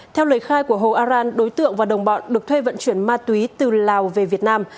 theo lời khai của hồ aran đối tượng và đồng bọn được thuê vận chuyển ma túy từ lào về việt nam